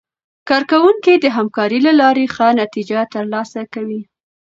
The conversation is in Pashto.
کارکوونکي د همکارۍ له لارې ښه نتیجه ترلاسه کوي